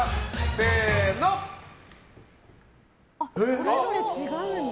それぞれ違うんだ。